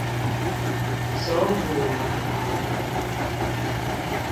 手斧男孩